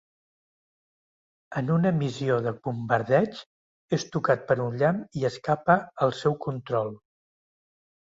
En una missió de bombardeig, és tocat per un llamp i escapa al seu control.